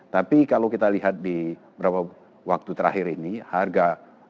tapi kalau kita lihat di beberapa waktu terakhir ini harga